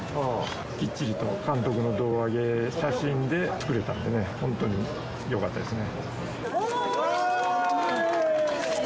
きっちりと監督の胴上げ、写真で作れたんでね、本当によかっ号外！